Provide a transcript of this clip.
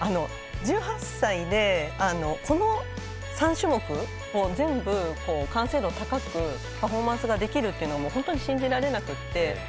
１８歳でこの３種目を全部完成度高くパフォーマンスができるというのが本当に信じられなくて。